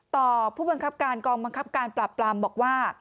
ต่อผู้บังคับการกองบังคับการปราบปรามบอกว่า